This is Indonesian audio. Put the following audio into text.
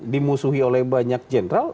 dimusuhi oleh banyak jenderal